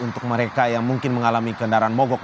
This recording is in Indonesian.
untuk mereka yang mungkin mengalami kendaraan mogok